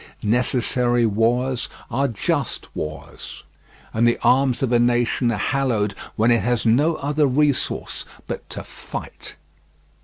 Necessary wars are just wars, and the arms of a nation are hallowed when it has no other resource but to fight.